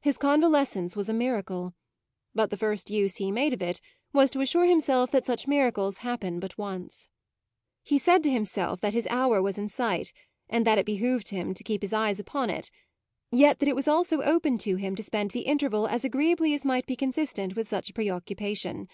His convalescence was a miracle, but the first use he made of it was to assure himself that such miracles happen but once. He said to himself that his hour was in sight and that it behoved him to keep his eyes upon it, yet that it was also open to him to spend the interval as agreeably as might be consistent with such a preoccupation.